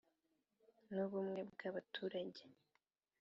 N ubumwe bw abaturage